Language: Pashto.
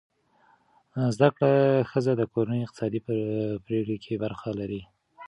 زده کړه ښځه د کورنۍ اقتصادي پریکړې کې برخه لري.